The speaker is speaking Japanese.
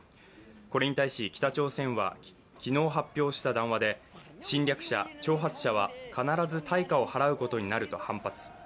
これに対し、北朝鮮は昨日発表した談話で侵略者、挑発者は必ず対価を払うことになると反発。